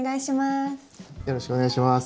よろしくお願いします。